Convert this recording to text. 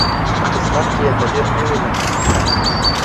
په قسمت کي یې تغییر نه وي لیکلی.